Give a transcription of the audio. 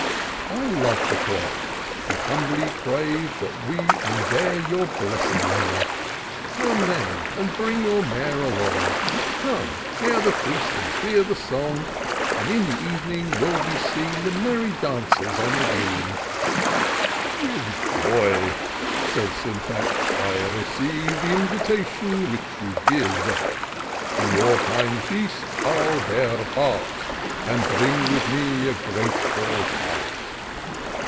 I love the cloth, — and humbly crave That we may there your blessing have. Come, then, and bring your mare along ; Come, share the feast, and hear the song ; And in the ev'ning vnll be seen The merry dancers on the green." " With joy," said Sjmtax, " I receive The invitation which you give ; In your kind feast 111 bear a part. And bring with me a grateful heart."